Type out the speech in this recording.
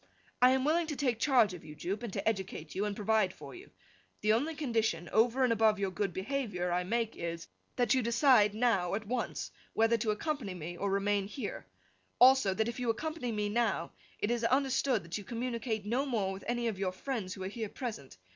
I am willing to take charge of you, Jupe, and to educate you, and provide for you. The only condition (over and above your good behaviour) I make is, that you decide now, at once, whether to accompany me or remain here. Also, that if you accompany me now, it is understood that you communicate no more with any of your friends who are here present.